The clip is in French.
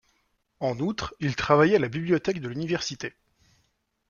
En outre, il travaillait à la bibliothèque de l'université.